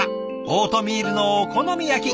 オートミールのお好み焼き。